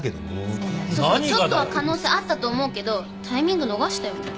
ちょっとは可能性あったと思うけどタイミング逃したよね。